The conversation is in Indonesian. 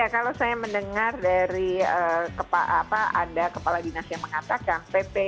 kalau saya mendengar dari kepala dinas yang mengatakan